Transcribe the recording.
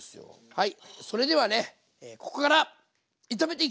はい。